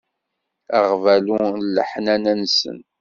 Aɣbalu n leḥnana-nsen.